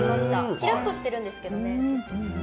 きらっとしているんですけどね。